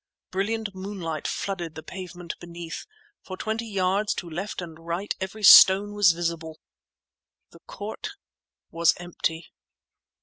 Brilliant moonlight flooded the pavement beneath; for twenty yards to left and right every stone was visible. The court was empty!